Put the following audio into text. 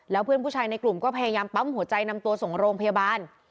แล้วเพื่อนผู้ชายในกลุ่มก็พยายามปั๊มหัวใจนำตัวส่งโรงพยาบาล